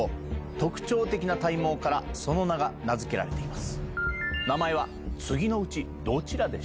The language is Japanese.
特徴的な体毛からその名が名付けられています。